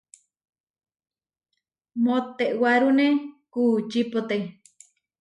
Moʼtewárune kuučípote.